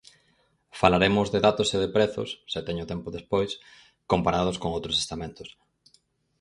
Falaremos de datos e de prezos, se teño tempo despois, comparados con outros estamentos.